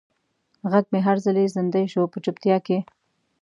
غږ مې هر ځلې زندۍ شو په چوپتیا کې